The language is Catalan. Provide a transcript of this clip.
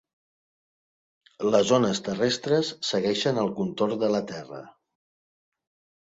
Les ones terrestres segueixen el contorn de la Terra.